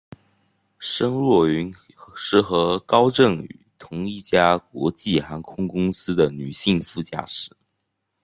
申若云是和高振宇同一家国际航空公司的女性副驾驶。